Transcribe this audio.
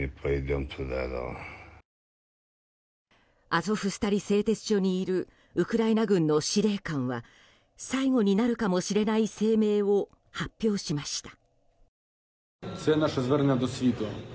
アゾフスタリ製鉄所にいるウクライナ軍の司令官は最後になるかもしれない声明を発表しました。